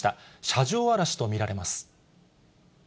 車上荒らしと見られます。